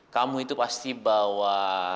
kamu itu pasti bawa